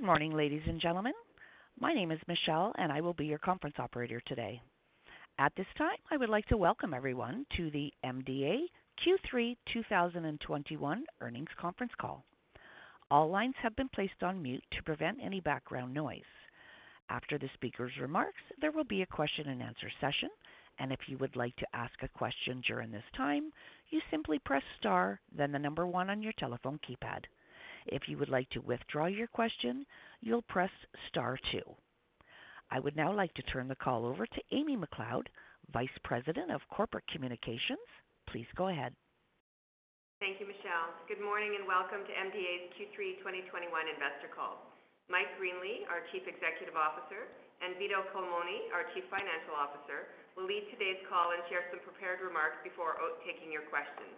Good morning, ladies and gentlemen. My name is Michelle, and I will be your conference operator today. At this time, I would like to welcome everyone to the MDA Q3 2021 earnings conference call. All lines have been placed on mute to prevent any background noise. After the speaker's remarks, there will be a question and answer session. If you would like to ask a question during this time, you simply press star then the number one on your telephone keypad. If you would like to withdraw your question, you'll press star two. I would now like to turn the call over to Amy MacLeod, Vice President of Corporate Communications. Please go ahead. Thank you, Michelle. Good morning and welcome to MDA's Q3 2021 investor call. Mike Greenley, our Chief Executive Officer, and Vito Culmone, our Chief Financial Officer, will lead today's call and share some prepared remarks before taking your questions.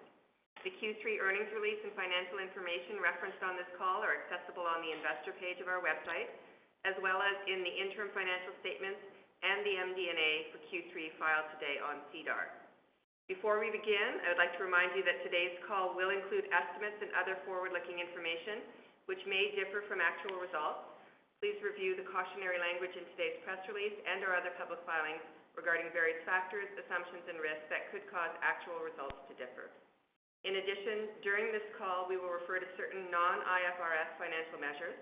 The Q3 earnings release and financial information referenced on this call are accessible on the investor page of our website, as well as in the interim financial statements and the MD&A for Q3 filed today on SEDAR. Before we begin, I would like to remind you that today's call will include estimates and other forward-looking information which may differ from actual results. Please review the cautionary language in today's press release and our other public filings regarding various factors, assumptions, and risks that could cause actual results to differ. In addition, during this call, we will refer to certain non-IFRS financial measures.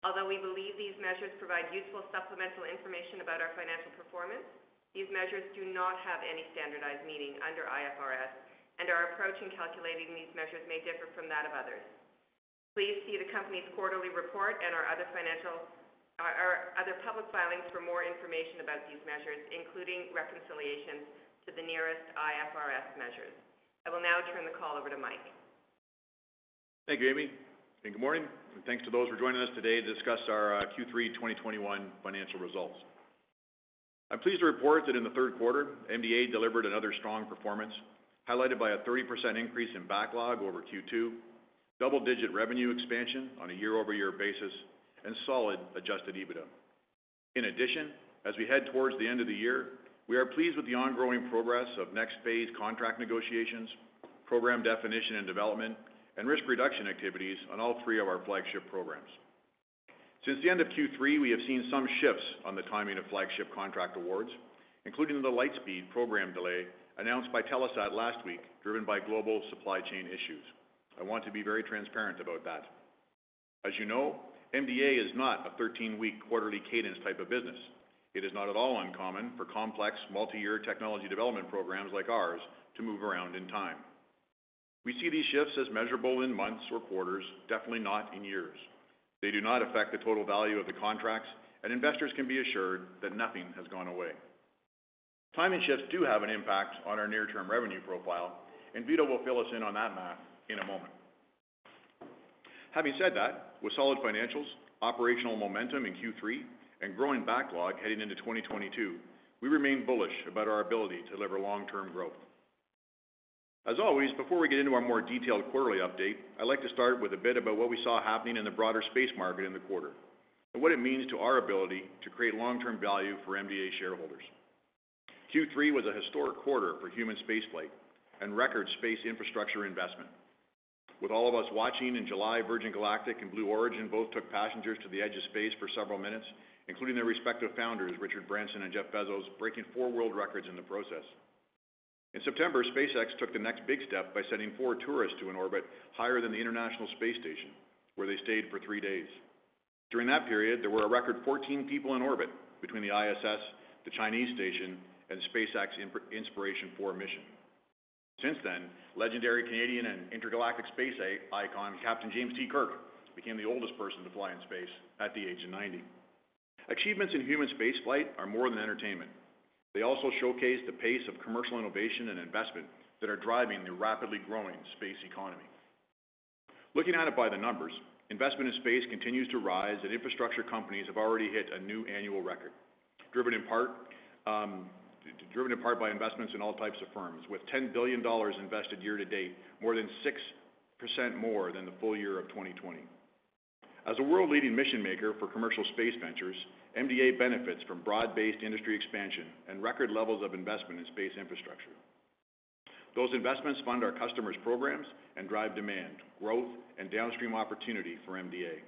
Although we believe these measures provide useful supplemental information about our financial performance, these measures do not have any standardized meaning under IFRS and our approach in calculating these measures may differ from that of others. Please see the company's quarterly report and our other public filings for more information about these measures, including reconciliations to the nearest IFRS measures. I will now turn the call over to Mike. Thank you, Amy, and good morning, and thanks to those for joining us today to discuss our Q3 2021 financial results. I'm pleased to report that in the third quarter, MDA delivered another strong performance, highlighted by a 30% increase in backlog over Q2, double-digit revenue expansion on a year-over-year basis, and solid adjusted EBITDA. In addition, as we head towards the end of the year, we are pleased with the ongoing progress of next-phase contract negotiations, program definition and development, and risk reduction activities on all three of our flagship programs. Since the end of Q3, we have seen some shifts on the timing of flagship contract awards, including the Lightspeed program delay announced by Telesat last week, driven by global supply chain issues. I want to be very transparent about that. As you know, MDA is not a 13-week quarterly cadence type of business. It is not at all uncommon for complex multi-year technology development programs like ours to move around in time. We see these shifts as measurable in months or quarters, definitely not in years. They do not affect the total value of the contracts, and investors can be assured that nothing has gone away. Timing shifts do have an impact on our near-term revenue profile, and Vito will fill us in on that math in a moment. Having said that, with solid financials, operational momentum in Q3, and growing backlog heading into 2022, we remain bullish about our ability to deliver long-term growth. As always, before we get into our more detailed quarterly update, I'd like to start with a bit about what we saw happening in the broader space market in the quarter and what it means to our ability to create long-term value for MDA shareholders. Q3 was a historic quarter for human spaceflight and record space infrastructure investment. With all of us watching in July, Virgin Galactic and Blue Origin both took passengers to the edge of space for several minutes, including their respective founders, Richard Branson and Jeff Bezos, breaking four world records in the process. In September, SpaceX took the next big step by sending four tourists to an orbit higher than the International Space Station, where they stayed for three days. During that period, there were a record 14 people in orbit between the ISS, the Chinese station, and SpaceX's Inspiration4 mission. Since then, legendary Canadian and intergalactic space icon Captain James T. Kirk became the oldest person to fly in space at the age of 90. Achievements in human spaceflight are more than entertainment. They also showcase the pace of commercial innovation and investment that are driving the rapidly growing space economy. Looking at it by the numbers, investment in space continues to rise and infrastructure companies have already hit a new annual record, driven in part by investments in all types of firms, with $10 billion invested year to date, more than 6% more than the full year of 2020. As a world-leading mission maker for commercial space ventures, MDA benefits from broad-based industry expansion and record levels of investment in space infrastructure. Those investments fund our customers' programs and drive demand, growth, and downstream opportunity for MDA.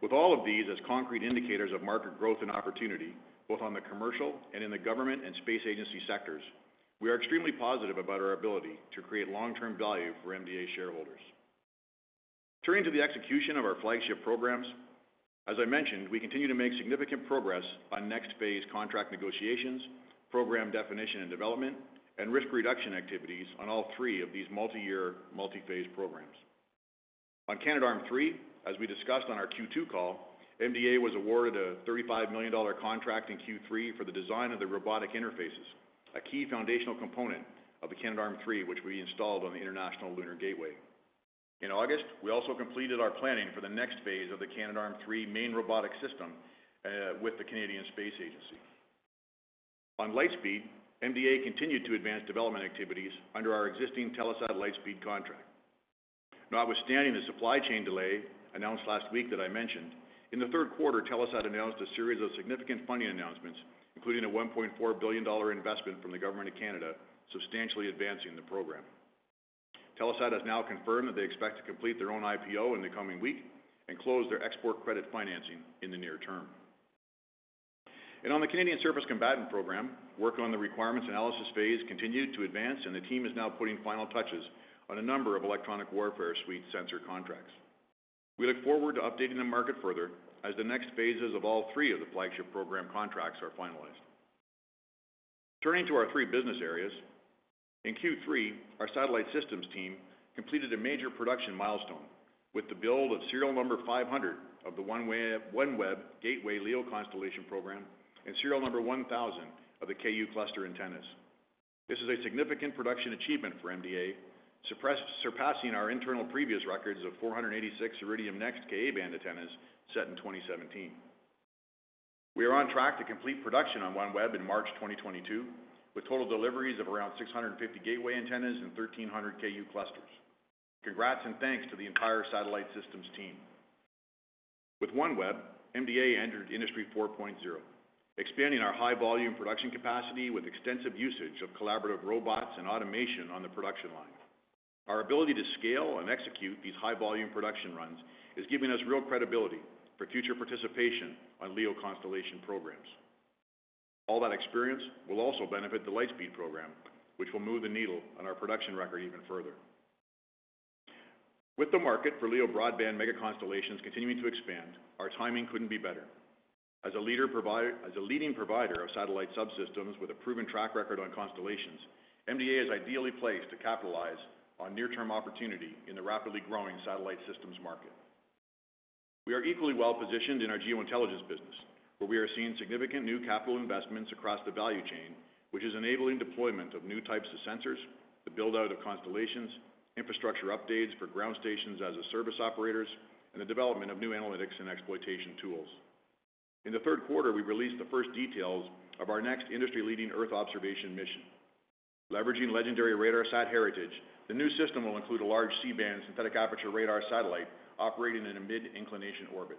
With all of these as concrete indicators of market growth and opportunity, both on the commercial and in the government and space agency sectors, we are extremely positive about our ability to create long-term value for MDA shareholders. Turning to the execution of our flagship programs, as I mentioned, we continue to make significant progress on next-phase contract negotiations, program definition and development, and risk reduction activities on all three of these multi-year, multi-phase programs. On Canadarm3, as we discussed on our Q2 call, MDA was awarded a 35 million dollar contract in Q3 for the design of the robotic interfaces, a key foundational component of the Canadarm3, which will be installed on the International Lunar Gateway. In August, we also completed our planning for the next phase of the Canadarm3 main robotic system with the Canadian Space Agency. On Lightspeed, MDA continued to advance development activities under our existing Telesat Lightspeed contract. Notwithstanding the supply chain delay announced last week that I mentioned, in the third quarter, Telesat announced a series of significant funding announcements, including a 1.4 billion dollar investment from the Government of Canada, substantially advancing the program. Telesat has now confirmed that they expect to complete their own IPO in the coming week and close their export credit financing in the near term. On the Canadian Surface Combatant program, work on the requirements analysis phase continued to advance, and the team is now putting final touches on a number of electronic warfare suite sensor contracts. We look forward to updating the market further as the next phases of all three of the flagship program contracts are finalized. Turning to our three business areas, in Q3, our satellite systems team completed a major production milestone with the build of serial number 500 of the OneWeb gateway LEO constellation program and serial number 1,000 of the Ku cluster antennas. This is a significant production achievement for MDA, surpassing our internal previous records of 486 Iridium NEXT Ka-band antennas set in 2017. We are on track to complete production on OneWeb in March 2022, with total deliveries of around 650 gateway antennas and 1,300 Ku clusters. Congrats and thanks to the entire satellite systems team. With OneWeb, MDA entered Industry 4.0, expanding our high-volume production capacity with extensive usage of collaborative robots and automation on the production line. Our ability to scale and execute these high-volume production runs is giving us real credibility for future participation on LEO constellation programs. All that experience will also benefit the Lightspeed program, which will move the needle on our production record even further. With the market for LEO broadband mega constellations continuing to expand, our timing couldn't be better. As a leading provider of satellite subsystems with a proven track record on constellations, MDA is ideally placed to capitalize on near-term opportunity in the rapidly growing satellite systems market. We are equally well-positioned in our Geointelligence business, where we are seeing significant new capital investments across the value chain, which is enabling deployment of new types of sensors, the build-out of constellations, infrastructure updates for ground stations as a service operators, and the development of new analytics and exploitation tools. In the third quarter, we released the first details of our next industry-leading Earth observation mission. Leveraging legendary RADARSAT heritage, the new system will include a large C-band synthetic aperture radar satellite operating in a mid-inclination orbit.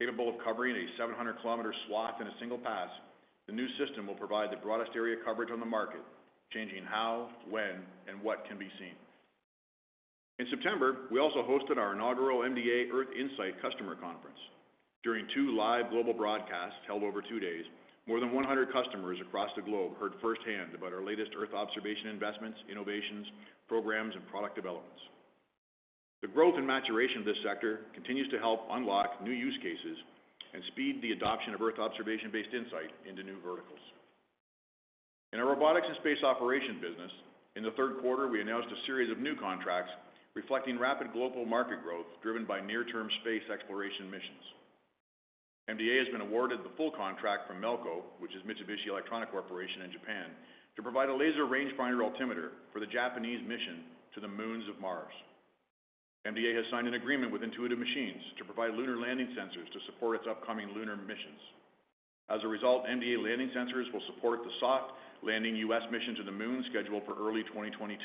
Capable of covering a 700 km swath in a single pass, the new system will provide the broadest area coverage on the market, changing how, when, and what can be seen. In September, we also hosted our inaugural MDA Earth Insight customer conference. During two live global broadcasts held over two days, more than 100 customers across the globe heard firsthand about our latest Earth observation investments, innovations, programs, and product developments. The growth and maturation of this sector continues to help unlock new use cases and speed the adoption of Earth observation-based insight into new verticals. In our robotics and space operation business, in the third quarter, we announced a series of new contracts reflecting rapid global market growth driven by near-term space exploration missions. MDA has been awarded the full contract from MELCO, which is Mitsubishi Electric Corporation in Japan, to provide a laser rangefinder altimeter for the Japanese mission to the moons of Mars. MDA has signed an agreement with Intuitive Machines to provide lunar landing sensors to support its upcoming lunar missions. As a result, MDA landing sensors will support the CLPS landing US mission to the moon scheduled for early 2022.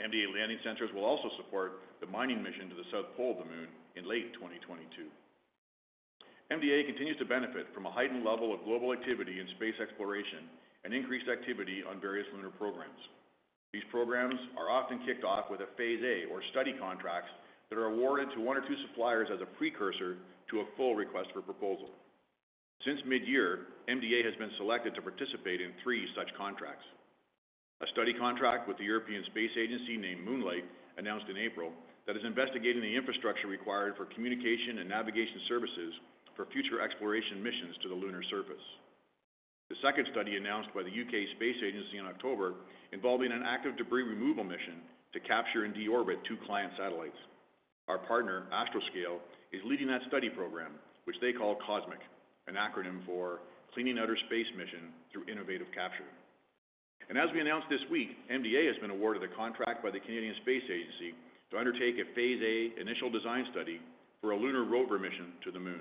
MDA landing sensors will also support the mining mission to the south pole of the moon in late 2022. MDA continues to benefit from a heightened level of global activity in space exploration and increased activity on various lunar programs. These programs are often kicked off with a Phase A or study contracts that are awarded to one or two suppliers as a precursor to a full request for proposal. Since mid-year, MDA has been selected to participate in three such contracts. A study contract with the European Space Agency named Moonlight, announced in April, that is investigating the infrastructure required for communication and navigation services for future exploration missions to the lunar surface. The second study, announced by the U.K. Space Agency in October, involving an active debris removal mission to capture and deorbit two client satellites. Our partner, Astroscale, is leading that study program, which they call COSMIC, an acronym for Cleaning Outer Space Mission through Innovative Capture. As we announced this week, MDA has been awarded a contract by the Canadian Space Agency to undertake a Phase A initial design study for a lunar rover mission to the moon.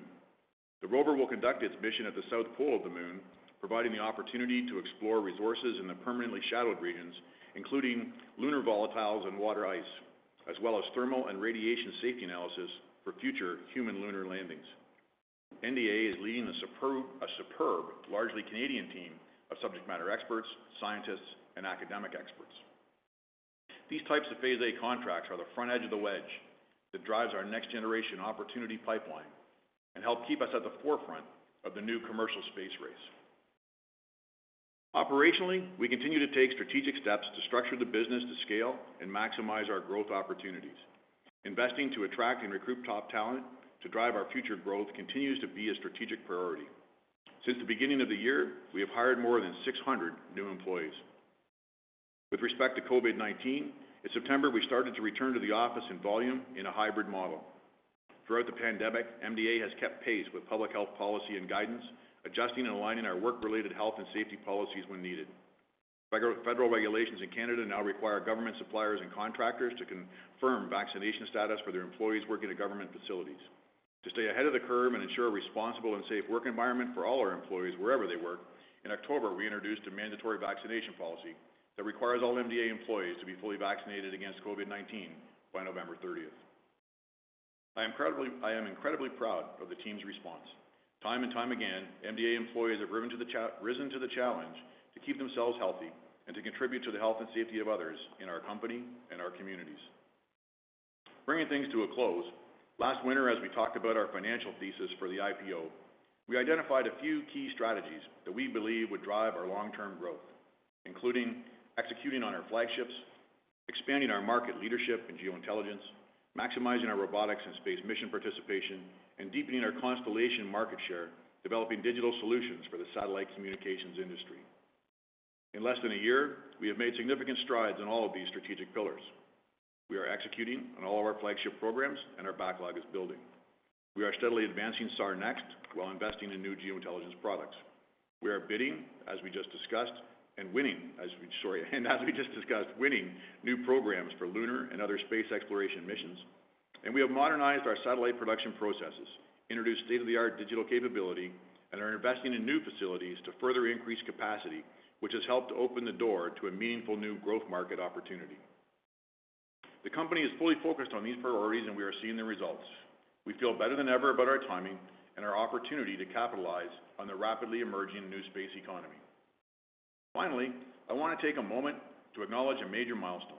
The rover will conduct its mission at the south pole of the moon, providing the opportunity to explore resources in the permanently shadowed regions, including lunar volatiles and water ice, as well as thermal and radiation safety analysis for future human lunar landings. MDA is leading a superb, largely Canadian team of subject matter experts, scientists, and academic experts. These types of Phase A contracts are the front edge of the wedge that drives our next-generation opportunity pipeline and help keep us at the forefront of the new commercial space race. Operationally, we continue to take strategic steps to structure the business to scale and maximize our growth opportunities. Investing to attract and recruit top talent to drive our future growth continues to be a strategic priority. Since the beginning of the year, we have hired more than 600 new employees. With respect to COVID-19, in September, we started to return to the office in volume in a hybrid model. Throughout the pandemic, MDA has kept pace with public health policy and guidance, adjusting and aligning our work-related health and safety policies when needed. Federal regulations in Canada now require government suppliers and contractors to confirm vaccination status for their employees working at government facilities. To stay ahead of the curve and ensure a responsible and safe work environment for all our employees wherever they work, in October, we introduced a mandatory vaccination policy that requires all MDA employees to be fully vaccinated against COVID-19 by November 30th. I am incredibly proud of the team's response. Time and time again, MDA employees have risen to the challenge to keep themselves healthy and to contribute to the health and safety of others in our company and our communities. Bringing things to a close, last winter, as we talked about our financial thesis for the IPO, we identified a few key strategies that we believe would drive our long-term growth, including executing on our flagships, expanding our market leadership in Geointelligence, maximizing our robotics and space mission participation, and deepening our constellation market share, developing digital solutions for the satellite communications industry. In less than a year, we have made significant strides in all of these strategic pillars. We are executing on all of our flagship programs, and our backlog is building. We are steadily advancing SARnext while investing in new Geointelligence products. We are bidding, as we just discussed, and winning new programs for lunar and other space exploration missions, and we have modernized our satellite production processes, introduced state-of-the-art digital capability, and are investing in new facilities to further increase capacity, which has helped open the door to a meaningful new growth market opportunity. The company is fully focused on these priorities, and we are seeing the results. We feel better than ever about our timing and our opportunity to capitalize on the rapidly emerging new space economy. Finally, I wanna take a moment to acknowledge a major milestone.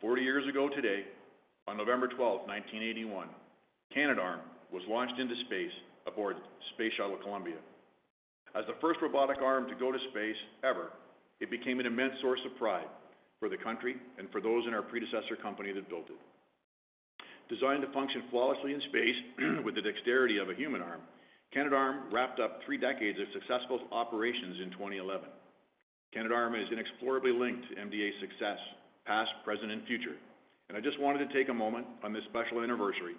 40 years ago today, on November twelfth, nineteen eighty-one, Canadarm was launched into space aboard Space Shuttle Columbia. As the first robotic arm to go to space ever, it became an immense source of pride for the country and for those in our predecessor company that built it. Designed to function flawlessly in space with the dexterity of a human arm, Canadarm wrapped up three decades of successful operations in 2011. Canadarm is inexorably linked to MDA's success, past, present, and future, and I just wanted to take a moment on this special anniversary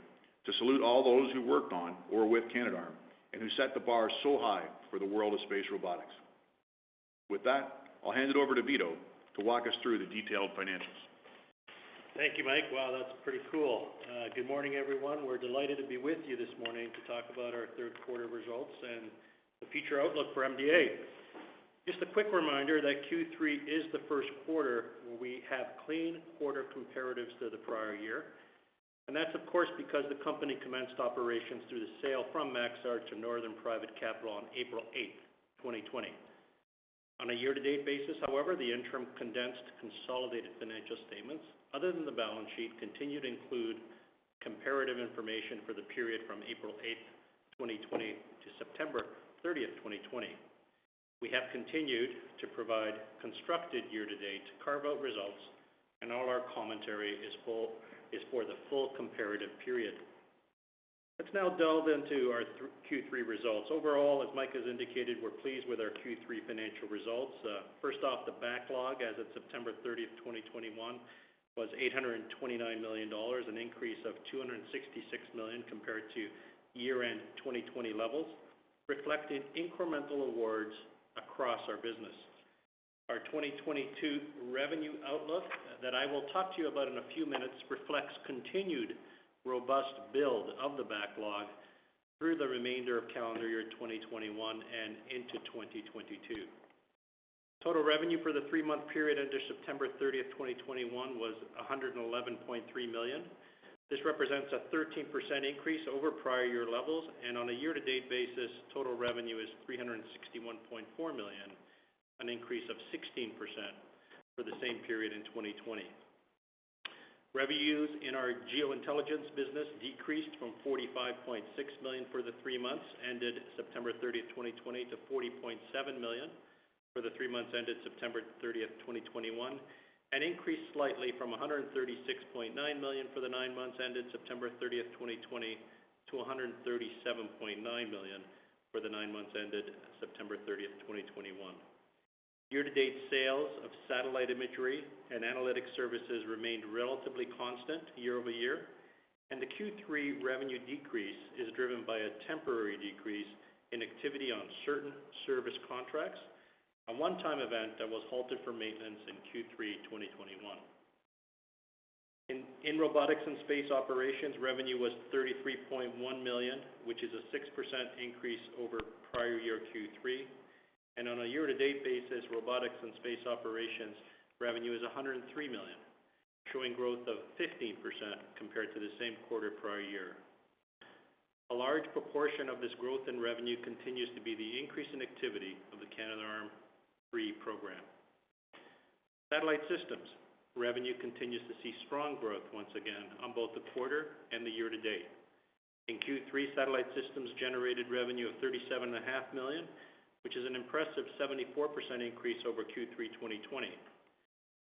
to salute all those who worked on or with Canadarm and who set the bar so high for the world of space robotics. With that, I'll hand it over to Vito to walk us through the detailed financials. Thank you, Mike. Wow, that's pretty cool. Good morning, everyone. We're delighted to be with you this morning to talk about our third quarter results and the future outlook for MDA. Just a quick reminder that Q3 is the first quarter where we have clean quarter comparatives to the prior year, and that's of course because the company commenced operations through the sale from Maxar to Northern Private Capital on April 8, 2020. On a year-to-date basis, however, the interim condensed consolidated financial statements, other than the balance sheet, continue to include comparative information for the period from April 8, 2020 to September 30, 2020. We have continued to provide constructed year-to-date carve-out results, and all our commentary is for the full comparative period. Let's now delve into our Q3 results. Overall, as Mike has indicated, we're pleased with our Q3 financial results. First off, the backlog as of September 30, 2021 was 829 million dollars, an increase of 266 million compared to year-end 2020 levels, reflecting incremental awards across our business. Our 2022 revenue outlook that I will talk to you about in a few minutes reflects continued robust build of the backlog through the remainder of calendar year 2021 and into 2022. Total revenue for the three-month period ended September 30, 2021 was 111.3 million. This represents a 13% increase over prior year levels, and on a year-to-date basis, total revenue is 361.4 million, an increase of 16% for the same period in 2020. Revenues in our Geointelligence business decreased from 45.6 million for the three months ended September 30, 2020 to 40.7 million for the three months ended September 30, 2021, and increased slightly from 136.9 million for the nine months ended September 30, 2020 to 137.9 million for the nine months ended September 30, 2021. Year-to-date sales of satellite imagery and analytics services remained relatively constant year-over-year, and the Q3 revenue decrease is driven by a temporary decrease in activity on certain service contracts, a one-time event that was halted for maintenance in Q3 2021. In robotics and space operations, revenue was 33.1 million, which is a 6% increase over prior year Q3. On a year-to-date basis, robotics and space operations revenue is 103 million, showing growth of 15% compared to the same quarter prior year. A large proportion of this growth in revenue continues to be the increase in activity of the Canadarm3 program. Satellite systems revenue continues to see strong growth once again on both the quarter and the year-to-date. In Q3, satellite systems generated revenue of 37.5 million, which is an impressive 74% increase over Q3 2020.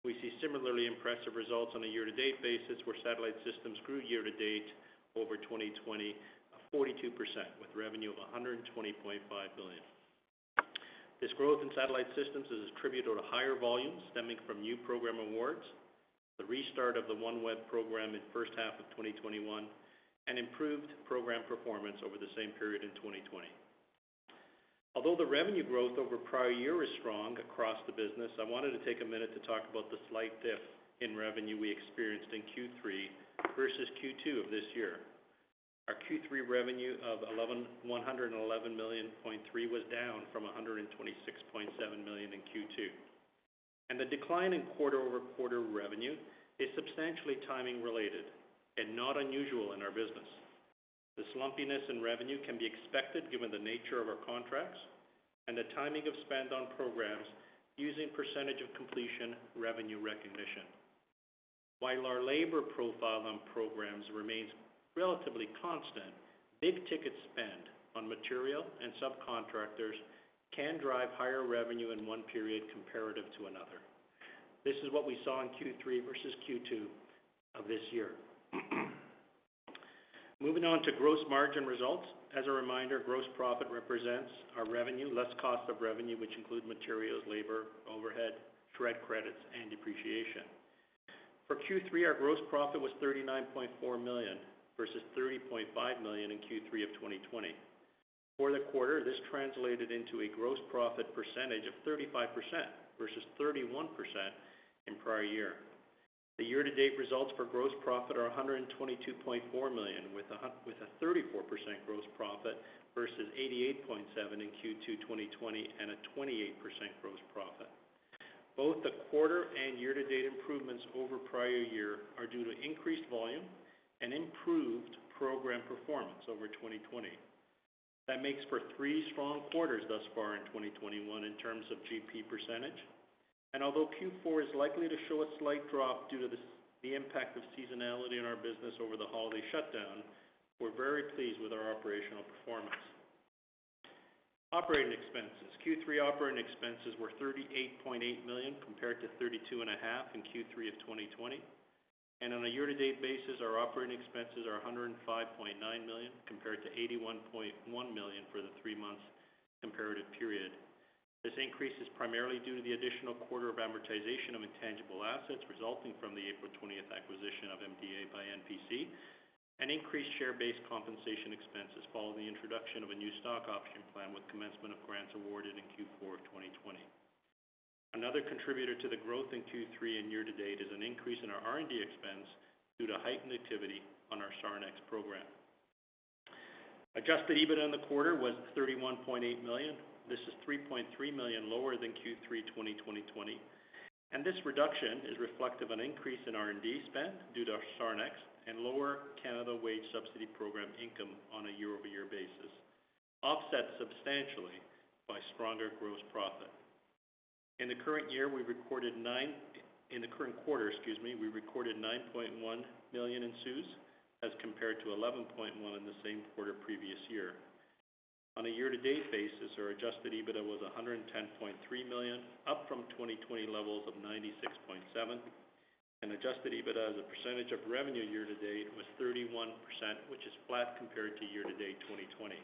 We see similarly impressive results on a year-to-date basis where satellite systems grew year-to-date over 2020, 42% with revenue of 120.5 million. This growth in satellite systems is attributed to higher volumes stemming from new program awards, the restart of the OneWeb program in the first half of 2021, and improved program performance over the same period in 2020. Although the revenue growth over prior year is strong across the business, I wanted to take a minute to talk about the slight dip in revenue we experienced in Q3 versus Q2 of this year. Our Q3 revenue of 111.3 million was down from 126.7 million in Q2. The decline in quarter-over-quarter revenue is substantially timing-related and not unusual in our business. The lumpiness in revenue can be expected given the nature of our contracts and the timing of spend on programs using percentage of completion revenue recognition. While our labor profile on programs remains relatively constant, big-ticket spend on material and subcontractors can drive higher revenue in one period compared to another. This is what we saw in Q3 versus Q2 of this year. Moving on to gross margin results. As a reminder, gross profit represents our revenue less cost of revenue, which includes materials, labor, overhead, SR&ED credits, and depreciation. For Q3, our gross profit was 39.4 million versus 30.5 million in Q3 of 2020. For the quarter, this translated into a gross profit percentage of 35% versus 31% in prior year. The year-to-date results for gross profit are 122.4 million, with a 34% gross profit versus 88.7 million in Q3 of 2020 and a 28% gross profit. Both the quarter and year-to-date improvements over prior year are due to increased volume and improved program performance over 2020. That makes for three strong quarters thus far in 2021 in terms of GP %. Although Q4 is likely to show a slight drop due to the impact of seasonality in our business over the holiday shutdown, we're very pleased with our operational performance. Operating expenses. Q3 operating expenses were 38.8 million, compared to 32.5 million in Q3 of 2020. On a year-to-date basis, our operating expenses are 105.9 million, compared to 81.1 million for the three-month comparative period. This increase is primarily due to the additional quarter of amortization of intangible assets resulting from the April 20 acquisition of MDA by NPC, and increased share-based compensation expenses following the introduction of a new stock option plan with commencement of grants awarded in Q4 of 2020. Another contributor to the growth in Q3 and year-to-date is an increase in our R&D expense due to heightened activity on our SARnext program. Adjusted EBITDA in the quarter was 31.8 million. This is 3.3 million lower than Q3 2020. This reduction is reflective of an increase in R&D spend due to SARnext and lower Canada Emergency Wage Subsidy income on a year-over-year basis, offset substantially by stronger gross profit. In the current year, we recorded nine... In the current quarter, excuse me, we recorded 9.1 million in CEWS as compared to 11.1 million in the same quarter previous year. On a year-to-date basis, our adjusted EBITDA was 110.3 million, up from 2020 levels of 96.7 million. Adjusted EBITDA as a percentage of revenue year-to-date was 31%, which is flat compared to year-to-date 2020.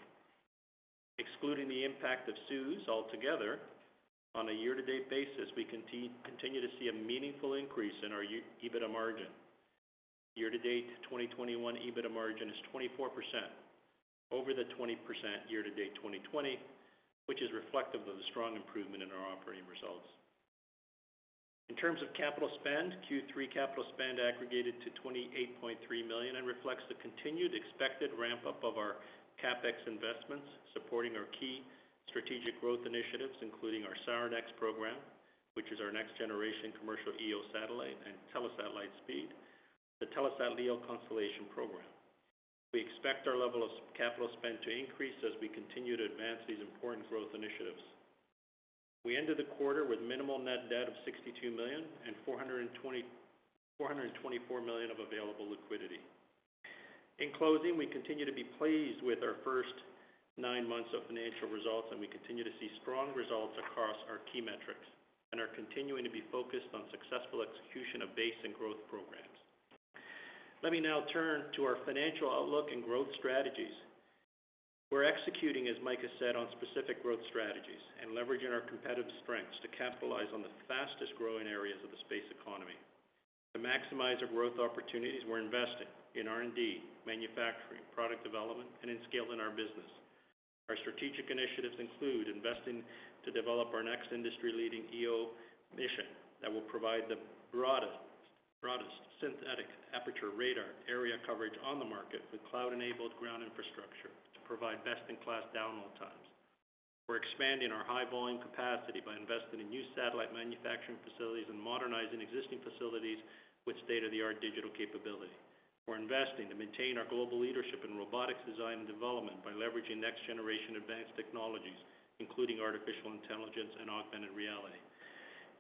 Excluding the impact of CEWS altogether on a year-to-date basis, we continue to see a meaningful increase in our EBITDA margin. Year-to-date 2021 EBITDA margin is 24% over the 20% year-to-date 2020, which is reflective of the strong improvement in our operating results. In terms of capital spend, Q3 capital spend aggregated to 28.3 million and reflects the continued expected ramp-up of our CapEx investments, supporting our key strategic growth initiatives, including our SARnext program, which is our next generation commercial EO satellite and Telesat Lightspeed, the Telesat LEO Constellation program. We expect our level of capital spend to increase as we continue to advance these important growth initiatives. We ended the quarter with minimal net debt of 62 million and 424 million of available liquidity. In closing, we continue to be pleased with our first nine months of financial results, and we continue to see strong results across our key metrics and are continuing to be focused on successful execution of base and growth programs. Let me now turn to our financial outlook and growth strategies. We're executing, as Mike has said, on specific growth strategies and leveraging our competitive strengths to capitalize on the fastest-growing areas of the space economy. To maximize our growth opportunities, we're investing in R&D, manufacturing, product development, and in scaling our business. Our strategic initiatives include investing to develop our next industry-leading EO mission that will provide the broadest synthetic aperture radar area coverage on the market with cloud-enabled ground infrastructure to provide best-in-class download times. We're expanding our high volume capacity by investing in new satellite manufacturing facilities and modernizing existing facilities with state-of-the-art digital capability. We're investing to maintain our global leadership in robotics design and development by leveraging next-generation advanced technologies, including artificial intelligence and augmented reality.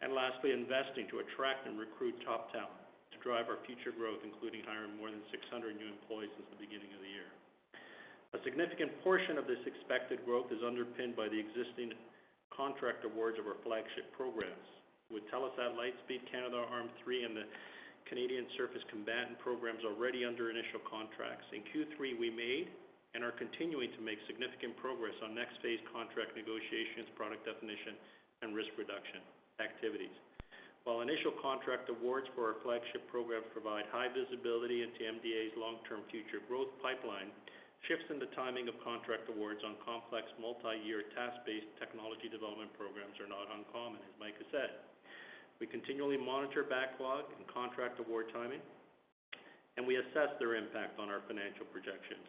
Lastly, investing to attract and recruit top talent to drive our future growth, including hiring more than 600 new employees since the beginning of the year. A significant portion of this expected growth is underpinned by the existing contract awards of our flagship programs, with Telesat Lightspeed, Canadarm3, and the Canadian Surface Combatant programs already under initial contracts. In Q3, we made and are continuing to make significant progress on next phase contract negotiations, product definition, and risk reduction activities. While initial contract awards for our flagship programs provide high visibility into MDA's long-term future growth pipeline, shifts in the timing of contract awards on complex multi-year task-based technology development programs are not uncommon, as Mike has said. We continually monitor backlog and contract award timing. We assess their impact on our financial projections.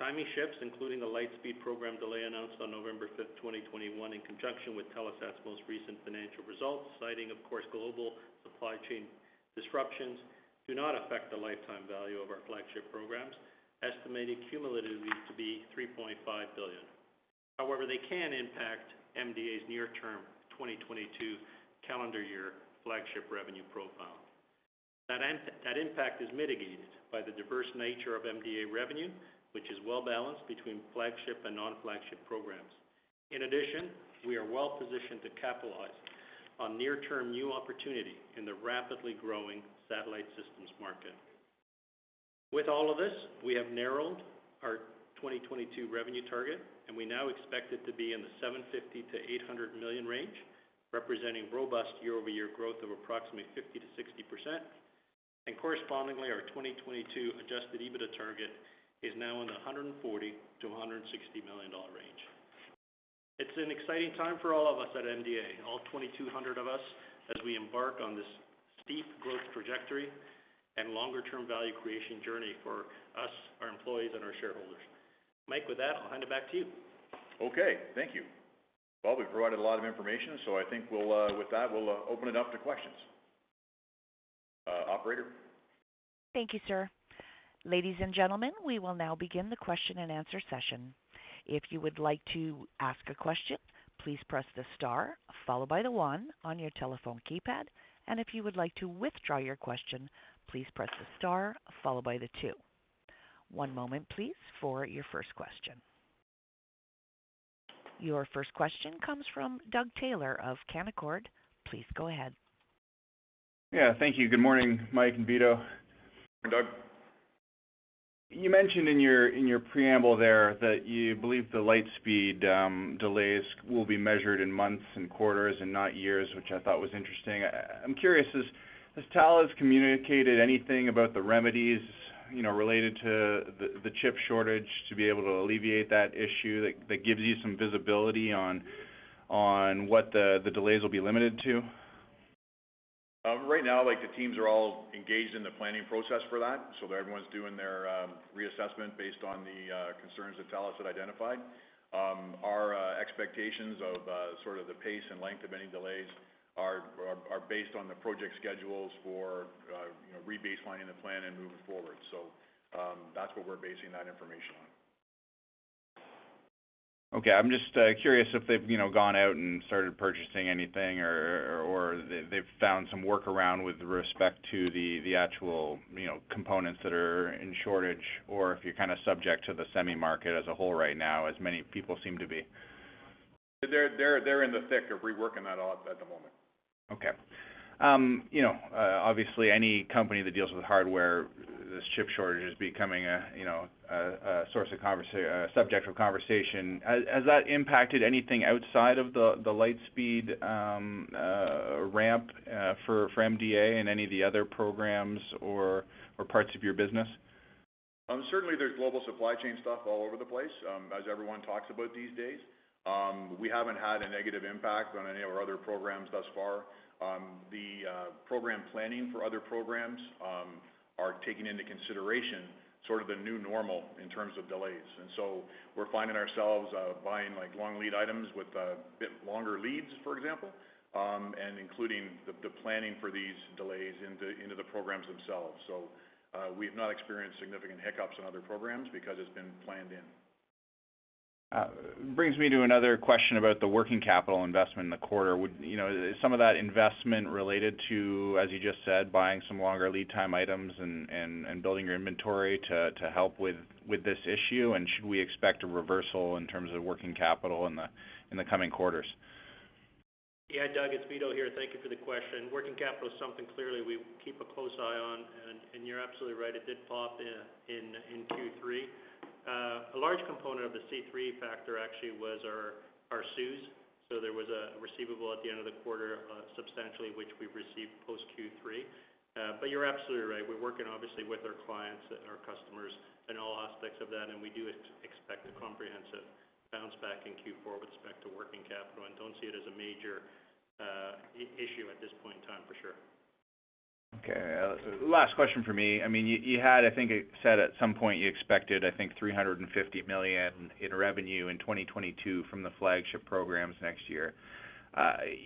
Timing shifts, including a Lightspeed program delay announced on November 5, 2021, in conjunction with Telesat's most recent financial results, citing, of course, global supply chain disruptions, do not affect the lifetime value of our flagship programs, estimated cumulatively to be 3.5 billion. However, they can impact MDA's near-term 2022 calendar year flagship revenue profile. That impact is mitigated by the diverse nature of MDA revenue, which is well-balanced between flagship and non-flagship programs. In addition, we are well-positioned to capitalize on near-term new opportunity in the rapidly growing satellite systems market. With all of this, we have narrowed our 2022 revenue target, and we now expect it to be in the 750 million-800 million range, representing robust year-over-year growth of approximately 50%-60%. Correspondingly, our 2022 Adjusted EBITDA target is now in the 140 million-160 million dollar range. It's an exciting time for all of us at MDA, all 2,200 of us, as we embark on this steep growth trajectory and longer-term value creation journey for us, our employees and our shareholders. Mike, with that, I'll hand it back to you. Okay, thank you. Well, we've provided a lot of information, so I think we'll, with that, open it up to questions. Operator? Thank you, sir. Ladies and gentlemen, we will now begin the question-and-answer session. If you would like to ask a question, please press the star followed by the one on your telephone keypad. If you would like to withdraw your question, please press the star followed by the two. One moment, please, for your first question. Your first question comes from Doug Taylor of Canaccord Genuity. Please go ahead. Yeah, thank you. Good morning, Mike and Vito. Good morning, Doug. You mentioned in your preamble there that you believe the Lightspeed delays will be measured in months and quarters and not years, which I thought was interesting. I'm curious, has Thales communicated anything about the remedies, you know, related to the chip shortage to be able to alleviate that issue that gives you some visibility on what the delays will be limited to? Right now, like, the teams are all engaged in the planning process for that. Everyone's doing their reassessment based on the concerns that Thales had identified. Our expectations of sort of the pace and length of any delays are based on the project schedules for, you know, rebaselining the plan and moving forward. That's what we're basing that information on. Okay. I'm just curious if they've, you know, gone out and started purchasing anything or they've found some workaround with respect to the actual, you know, components that are in shortage, or if you're kind of subject to the semi market as a whole right now, as many people seem to be. They're in the thick of reworking that all at the moment. Okay. You know, obviously any company that deals with hardware, this chip shortage is becoming, you know, a subject of conversation. Has that impacted anything outside of the light speed ramp for MDA in any of the other programs or parts of your business? Certainly there's global supply chain stuff all over the place, as everyone talks about these days. We haven't had a negative impact on any of our other programs thus far. Program planning for other programs are taking into consideration sort of the new normal in terms of delays. We're finding ourselves buying like long lead items with a bit longer leads, for example, and including the planning for these delays into the programs themselves. We've not experienced significant hiccups in other programs because it's been planned in. brings me to another question about the working capital investment in the quarter. You know, is some of that investment related to, as you just said, buying some longer lead time items and building your inventory to help with this issue? Should we expect a reversal in terms of working capital in the coming quarters? Yeah, Doug, it's Vito here. Thank you for the question. Working capital is something clearly we keep a close eye on, and you're absolutely right, it did pop in in Q3. A large component of the cash flow factor actually was our SUUs. So there was a receivable at the end of the quarter, substantially which we've received post Q3. But you're absolutely right. We're working obviously with our clients and our customers in all aspects of that, and we do expect a comprehensive bounce back in Q4 with respect to working capital and don't see it as a major issue at this point in time for sure. Okay. Last question for me. I mean, you had, I think you said at some point you expected, I think, 350 million in revenue in 2022 from the flagship programs next year.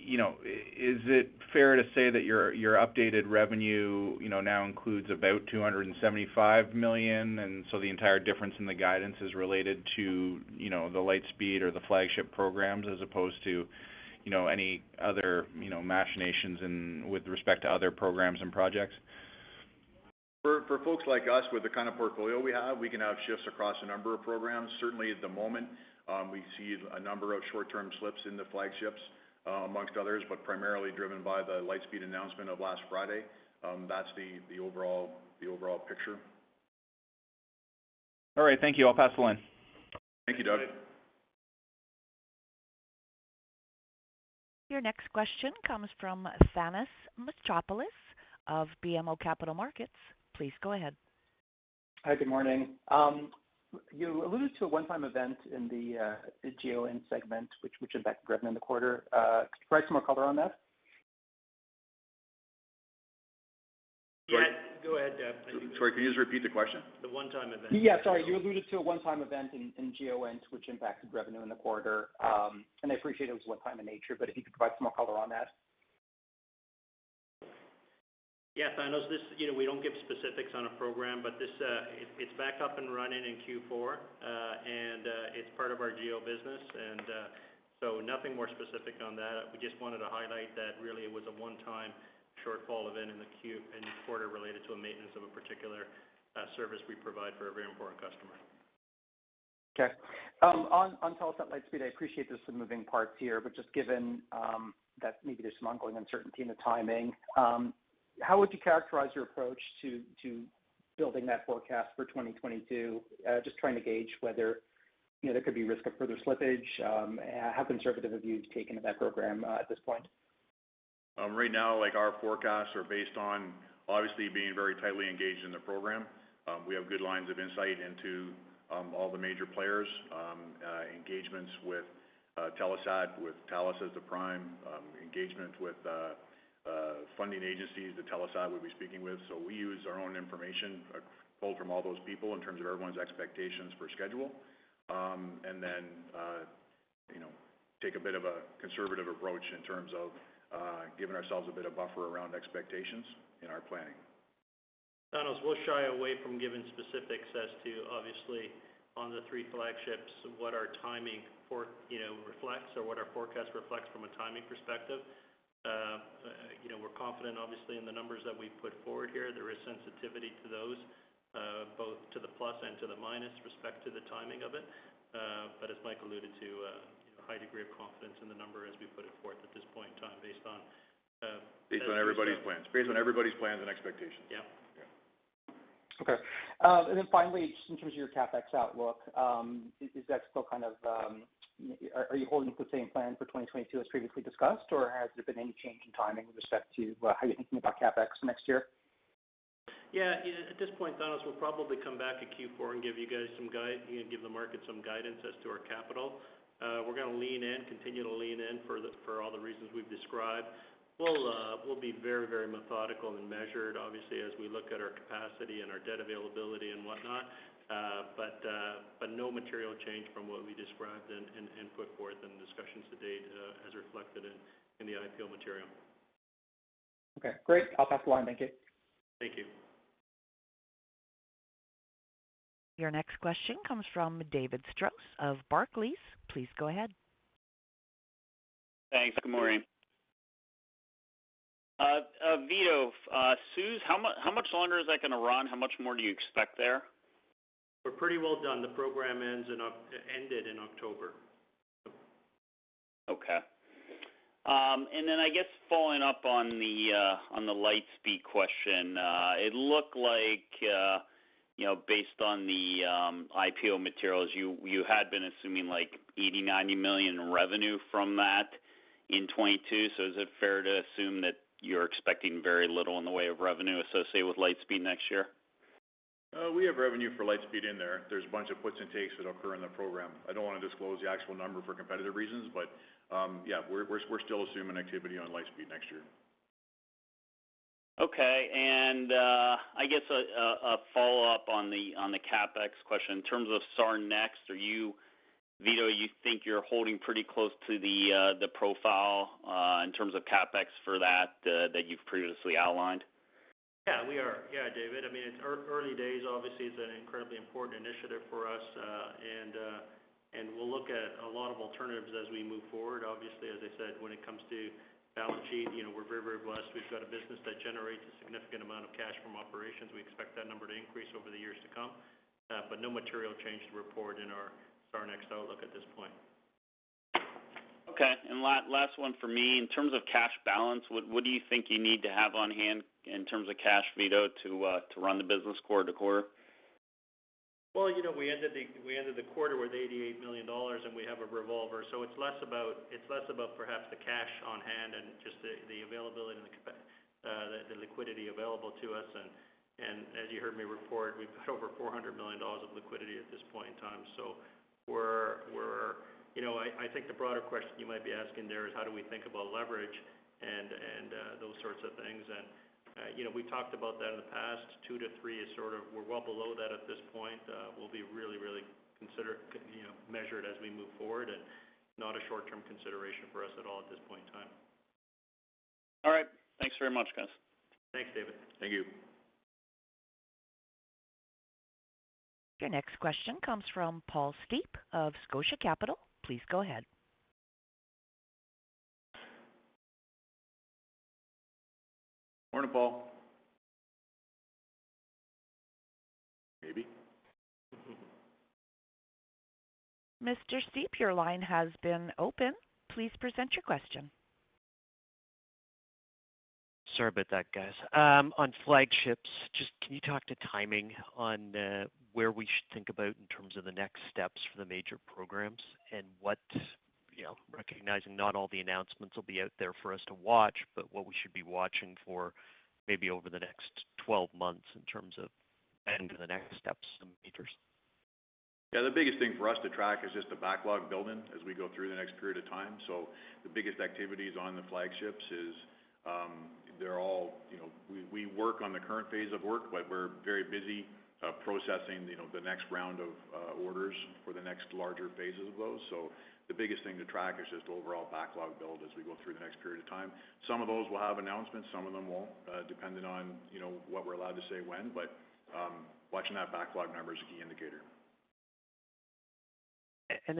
You know, is it fair to say that your updated revenue, you know, now includes about 275 million, and so the entire difference in the guidance is related to, you know, the Lightspeed or the flagship programs, as opposed to, you know, any other, you know, machinations with respect to other programs and projects? For folks like us with the kind of portfolio we have, we can have shifts across a number of programs. Certainly at the moment, we see a number of short-term slips in the flagships, among others, but primarily driven by the Lightspeed announcement of last Friday. That's the overall picture. All right. Thank you. I'll pass the line. Thank you, Doug. Your next question comes from Thanos Moschopoulos of BMO Capital Markets. Please go ahead. Hi, good morning. You alluded to a one-time event in the Geointelligence segment, which impacted revenue in the quarter. Could you provide some more color on that? Go ahead, Dave. Sorry, can you just repeat the question? The one-time event. Yeah, sorry. You alluded to a one-time event in Geointelligence, which impacted revenue in the quarter. I appreciate it was one-time in nature, but if you could provide some more color on that. Yeah, Thanos, this, you know, we don't give specifics on a program, but this, it's back up and running in Q4, and it's part of our GO business. Nothing more specific on that. We just wanted to highlight that really it was a one-time shortfall event in the quarter related to a maintenance of a particular service we provide for a very important customer. Okay. On Telesat Lightspeed, I appreciate there's some moving parts here, but just given that maybe there's some ongoing uncertainty in the timing, how would you characterize your approach to building that forecast for 2022? Just trying to gauge whether, you know, there could be risk of further slippage. How conservative have you taken to that program at this point? Right now, like, our forecasts are based on obviously being very tightly engaged in the program. We have good lines of insight into all the major players, engagements with Telesat, with Thales as the prime, engagement with funding agencies that Telesat will be speaking with. We use our own information pulled from all those people in terms of everyone's expectations for schedule. Then, you know, we take a bit of a conservative approach in terms of giving ourselves a bit of buffer around expectations in our planning. Thanos, we'll shy away from giving specifics as to obviously on the three flagships, what our timing for, you know, reflects or what our forecast reflects from a timing perspective. You know, we're confident obviously in the numbers that we've put forward here. There is sensitivity to those, both to the plus and to the minus with respect to the timing of it. As Mike alluded to, you know, a high degree of confidence in the number as we put it forth at this point in time based on. Based on everybody's plans and expectations. Yeah. Yeah. Okay. Finally, just in terms of your CapEx outlook, is that still kind of, are you holding to the same plan for 2022 as previously discussed, or has there been any change in timing with respect to how you're thinking about CapEx next year? Yeah, you know, at this point, Thanos, we'll probably come back at Q4 and give the market some guidance as to our capital. We're gonna lean in, continue to lean in for all the reasons we've described. We'll be very, very methodical and measured, obviously, as we look at our capacity and our debt availability and whatnot. No material change from what we described and put forth in the discussions to date, as reflected in the IPO material. Okay, great. I'll pass the line. Thank you. Thank you. Your next question comes from David Strauss of Barclays. Please go ahead. Thanks. Good morning. Vito, CEWS, how much longer is that gonna run? How much more do you expect there? We're pretty well done. The program ended in October. Okay. I guess following up on the Lightspeed question. It looked like, you know, based on the IPO materials, you had been assuming like 80 million-90 million in revenue from that in 2022. Is it fair to assume that you're expecting very little in the way of revenue associated with Lightspeed next year? We have revenue for Lightspeed in there. There's a bunch of puts and takes that occur in the program. I don't wanna disclose the actual number for competitive reasons, but yeah, we're still assuming activity on Lightspeed next year. Okay. I guess a follow-up on the CapEx question. In terms of SARnext, are you, Vito, you think you're holding pretty close to the profile in terms of CapEx for that that you've previously outlined? Yeah, we are. Yeah, David, I mean, it's early days. Obviously, it's an incredibly important initiative for us. We'll look at a lot of alternatives as we move forward. Obviously, as I said, when it comes to balance sheet, you know, we're very blessed. We've got a business that generates a significant amount of cash from operations. We expect that number to increase over the years to come. No material change to report in our SARnext outlook at this point. Okay. Last one for me. In terms of cash balance, what do you think you need to have on hand in terms of cash, Vito, to run the business quarter to quarter? Well, you know, we ended the quarter with $88 million, and we have a revolver. It's less about perhaps the cash on hand and just the availability and the liquidity available to us. As you heard me report, we've got over $400 million of liquidity at this point in time. We're, you know, I think the broader question you might be asking there is how do we think about leverage and those sorts of things. You know, we've talked about that in the past. two to three is sort of we're well below that at this point. We'll be really measured as we move forward and not a short-term consideration for us at all at this point in time. All right. Thanks very much, guys. Thanks, David. Thank you. Your next question comes from Paul Steep of Scotia Capital. Please go ahead. Morning, Paul. Maybe. Mr. Steep, your line has been opened. Please present your question. Sorry about that, guys. On flagships, just can you talk to timing on, where we should think about in terms of the next steps for the major programs and what- Yeah, recognizing not all the announcements will be out there for us to watch, but what we should be watching for maybe over the next 12 months in terms of the next steps and metrics. Yeah, the biggest thing for us to track is just the backlog building as we go through the next period of time. The biggest activities on the flagships is, they're all, you know, we work on the current phase of work, but we're very busy, processing, you know, the next round of, orders for the next larger phases of those. The biggest thing to track is just overall backlog build as we go through the next period of time. Some of those will have announcements, some of them won't, depending on, you know, what we're allowed to say when. Watching that backlog number is a key indicator.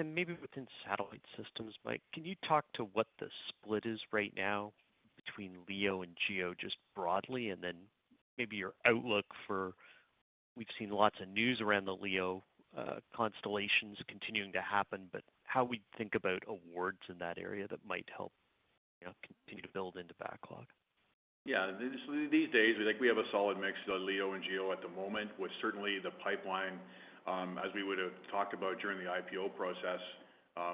Maybe within satellite systems, Mike, can you talk to what the split is right now between LEO and GEO, just broadly, and then maybe your outlook for. We've seen lots of news around the LEO constellations continuing to happen, but how we think about awards in that area that might help, you know, continue to build into backlog. Yeah. These days, I think we have a solid mix of LEO and GEO at the moment, with certainly the pipeline, as we would have talked about during the IPO process,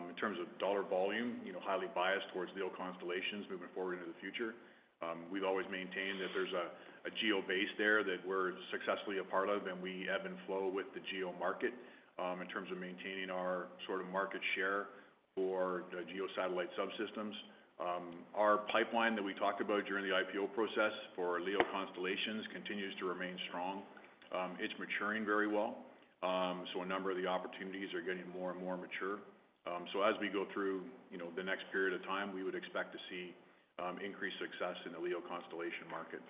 in terms of dollar volume, you know, highly biased towards LEO constellations moving forward into the future. We've always maintained that there's a GEO base there that we're successfully a part of, and we ebb and flow with the GEO market, in terms of maintaining our sort of market share for the GEO satellite subsystems. Our pipeline that we talked about during the IPO process for LEO constellations continues to remain strong. It's maturing very well. So a number of the opportunities are getting more and more mature. As we go through, you know, the next period of time, we would expect to see increased success in the LEO constellation market.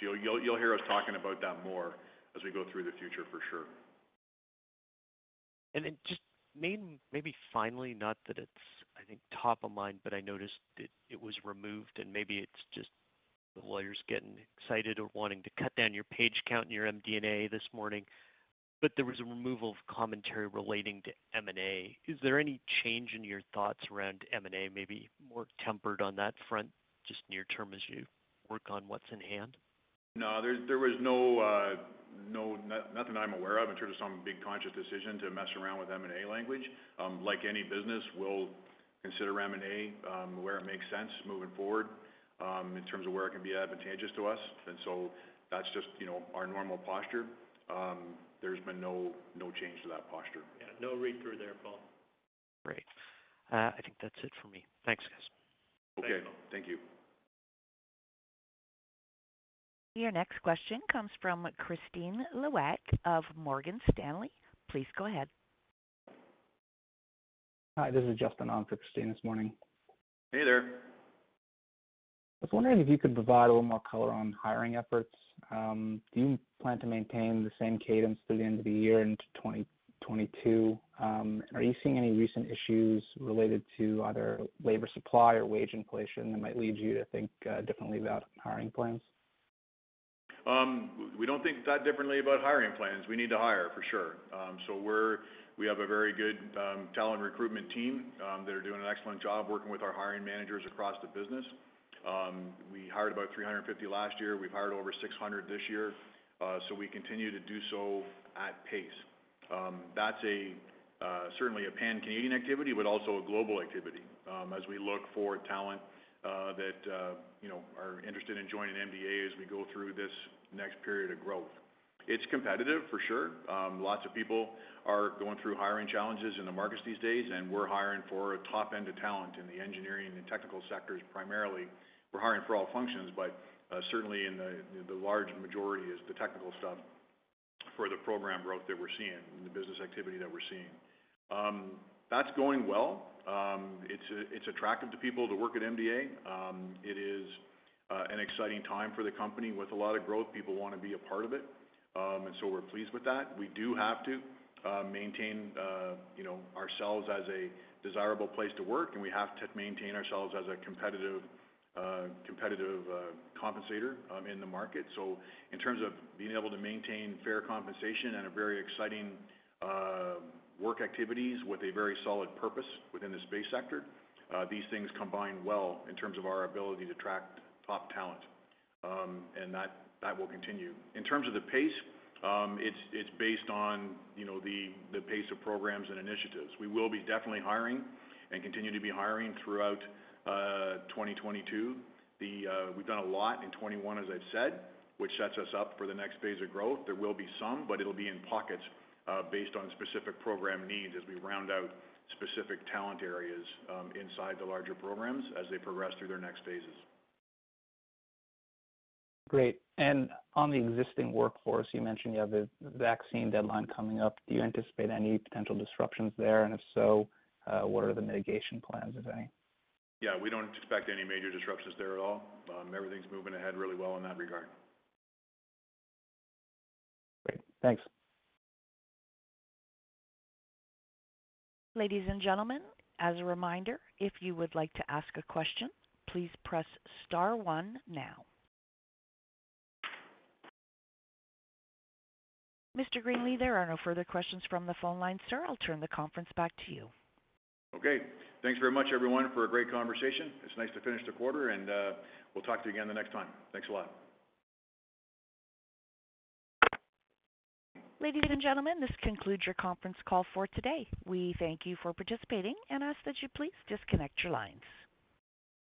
You'll hear us talking about that more as we go through the future for sure. Just maybe finally, not that it's, I think, top of mind, but I noticed it was removed and maybe it's just the lawyers getting excited or wanting to cut down your page count in your MD&A this morning. There was a removal of commentary relating to M&A. Is there any change in your thoughts around M&A? Maybe more tempered on that front, just near term as you work on what's in hand. No, there was nothing I'm aware of in terms of some big conscious decision to mess around with M&A language. Like any business, we'll consider M&A where it makes sense moving forward, in terms of where it can be advantageous to us. That's just, you know, our normal posture. There's been no change to that posture. Yeah. No read through there, Paul. Great. I think that's it for me. Thanks, guys. Okay. Thank you. Your next question comes from Kristine Liwag of Morgan Stanley. Please go ahead. Hi, this is Justin on for Kristine this morning. Hey there. I was wondering if you could provide a little more color on hiring efforts. Do you plan to maintain the same cadence through the end of the year into 2022? Are you seeing any recent issues related to either labor supply or wage inflation that might lead you to think differently about hiring plans? We don't think that differently about hiring plans. We need to hire for sure. We have a very good talent recruitment team that are doing an excellent job working with our hiring managers across the business. We hired about 350 last year. We've hired over 600 this year. We continue to do so at pace. That's certainly a pan-Canadian activity, but also a global activity, as we look for talent that you know are interested in joining MDA as we go through this next period of growth. It's competitive for sure. Lots of people are going through hiring challenges in the markets these days, and we're hiring for a top end of talent in the engineering and technical sectors primarily. We're hiring for all functions, but certainly in the large majority is the technical stuff for the program growth that we're seeing and the business activity that we're seeing. That's going well. It's attractive to people to work at MDA. It is an exciting time for the company with a lot of growth, people wanna be a part of it. We're pleased with that. We do have to maintain, you know, ourselves as a desirable place to work, and we have to maintain ourselves as a competitive compensator in the market. In terms of being able to maintain fair compensation and a very exciting work activities with a very solid purpose within the space sector, these things combine well in terms of our ability to attract top talent. That will continue. In terms of the pace, it's based on, you know, the pace of programs and initiatives. We will be definitely hiring and continue to be hiring throughout 2022. We've done a lot in 2021, as I've said, which sets us up for the next phase of growth. There will be some, but it'll be in pockets, based on specific program needs as we round out specific talent areas, inside the larger programs as they progress through their next phases. Great. On the existing workforce, you mentioned you have a vaccine deadline coming up. Do you anticipate any potential disruptions there? If so, what are the mitigation plans, if any? Yeah, we don't expect any major disruptions there at all. Everything's moving ahead really well in that regard. Great. Thanks. Ladies and gentlemen, as a reminder, if you would like to ask a question, please press star one now. Mr. Greenley, there are no further questions from the phone lines, sir. I'll turn the conference back to you. Okay. Thanks very much, everyone, for a great conversation. It's nice to finish the quarter and we'll talk to you again the next time. Thanks a lot. Ladies and gentlemen, this concludes your conference call for today. We thank you for participating and ask that you please disconnect your lines.